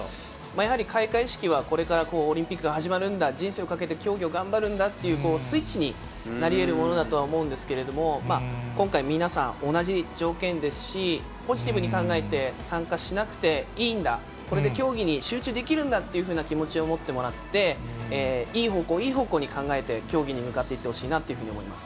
やはり、開会式はこれからオリンピックが始まるんだ、人生をかけて競技を頑張るんだというスイッチになりえるものだとは思うんですけれども、今回、皆さん同じ条件ですし、ポジティブに考えて、参加しなくていいんだ、これで競技に集中できるんだというふうな気持ちを持ってもらって、いい方向、いい方向に考えて、競技に向かっていってほしいなと思います。